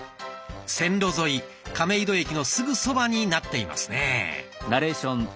線路沿い亀戸駅のすぐそばになっていますね。